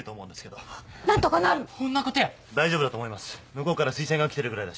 向こうから推薦が来てるぐらいだし